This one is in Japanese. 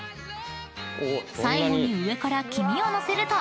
［最後に上から黄身を載せると］